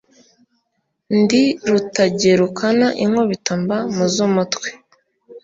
Ndi Rutagerukana inkubito mba mu z' umutwe.